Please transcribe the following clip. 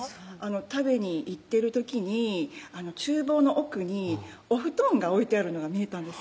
食べに行ってる時に厨房の奥にお布団が置いてあるのが見えたんです